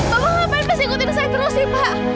bapak ngapain bes ikutin saya terus sih pak